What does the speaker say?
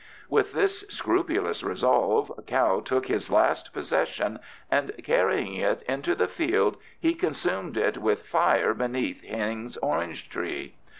With this scrupulous resolve Kao took his last possession, and carrying it into the field he consumed it with fire beneath Hing's orange tree.